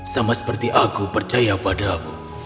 sama seperti aku percaya padamu